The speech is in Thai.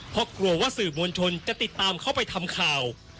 เพราะกลัวว่าสื่อมวลชนจะติดตามเข้าไปทำข่าว